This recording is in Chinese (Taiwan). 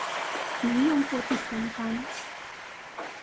沒用過第三方